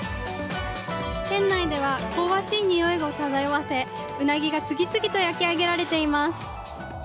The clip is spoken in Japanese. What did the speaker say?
店内では香ばしい匂いを漂わせウナギが次々と焼き上げられています。